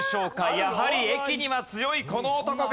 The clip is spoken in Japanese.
やはり駅には強いこの男か？